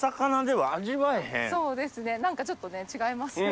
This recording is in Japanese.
そうですね何かちょっと違いますよね。